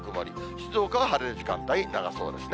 静岡は晴れる時間帯、長そうですね。